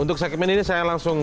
untuk segmen ini saya langsung